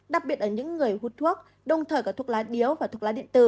đặc biệt ở những người hút thuốc đồng thời có thuốc lá điếu và thuốc lá điện tử